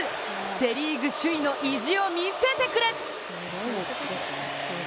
セ・リーグ首位の意地を見せてくれ！